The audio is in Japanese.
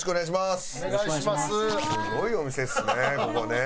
すごいお店ですね